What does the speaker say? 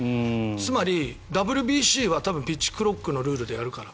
つまり、ＷＢＣはピッチクロックのルールでやるから。